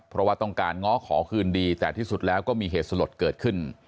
เพราะว่าต้องการง้อขอคืนดีแต่ที่สุดแล้วก็มีเหตุสลดเกิดขึ้น